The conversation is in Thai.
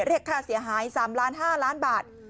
เรียกค่าเสียหาย๓ล้าน๕ล้านบาท